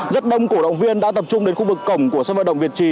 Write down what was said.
rất đông cổ động viên đã tập trung đến khu vực cổng của sân vận động việt trì